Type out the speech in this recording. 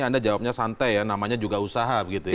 anda jawabnya santai ya namanya juga usaha begitu ya